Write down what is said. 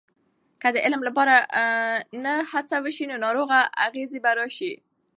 که د علم لپاره نه هڅه وسي، نو ناوړه اغیزې به راسي.